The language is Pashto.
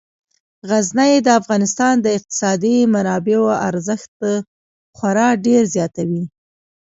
غزني د افغانستان د اقتصادي منابعو ارزښت خورا ډیر زیاتوي.